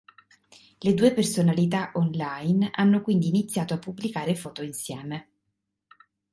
Le due personalità online hanno quindi iniziato a pubblicare foto insieme.